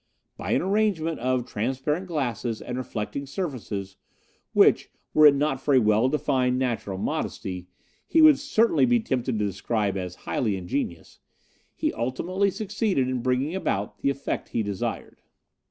By an arrangement of transparent glasses and reflecting surfaces which, were it not for a well defined natural modesty, he would certainly be tempted to describe as highly ingenious he ultimately succeeded in bringing about the effect he desired.